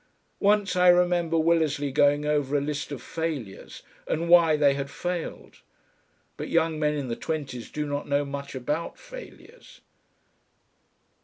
Once I remember Willersley going over a list of failures, and why they had failed but young men in the twenties do not know much about failures.